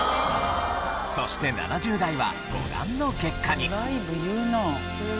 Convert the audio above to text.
そして７０代はご覧の結果に。